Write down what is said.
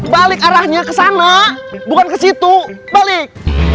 balik arahnya kesana bukan kesitu balik